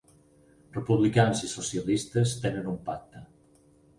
Republicans i socialistes tenen un pacte